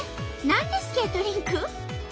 何でスケートリンク？